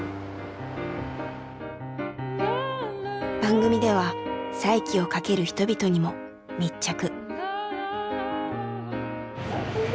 番組では再起をかける人々にも密着。